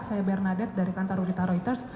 saya bernadette dari kantar udita reuters